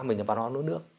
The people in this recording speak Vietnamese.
mình là văn hóa nước nước